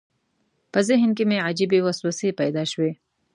په ذهن کې مې عجیبې وسوسې پیدا شوې.